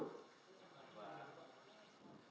oke rekan rekan cukup